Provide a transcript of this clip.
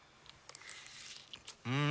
うん！